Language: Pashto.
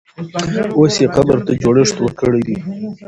اوس یې قبر ته جوړښت ورکړی دی.